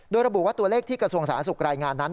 โดยระบุว่าตัวเลขที่กระทรวงสาธารณสุขรายงานนั้น